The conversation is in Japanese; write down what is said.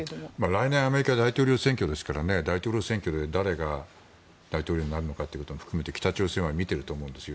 来年アメリカ大統領選挙ですから大統領選挙で誰が大統領になるのかということも含めて北朝鮮は見てると思うんですよ。